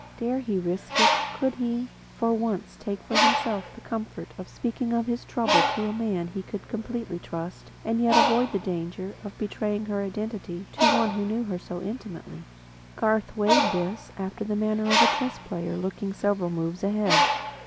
Dare he risk it? Could he, for once take for himself the comfort of speaking of his trouble to a man he could completely trust, and yet avoid the danger of betraying her identity to one who knew her so intimately? Garth weighed this, after the manner of a chess player looking several moves ahead.